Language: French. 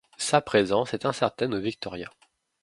Sa présence est incertaine au Victoria.